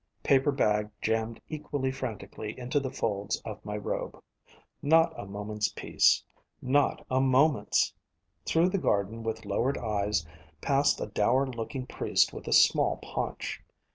Paper bag jammed equally frantically into the folds of my robe. Not a moment's peace. Not a moment's! Through the garden with lowered eyes, past a dour looking priest with a small paunch.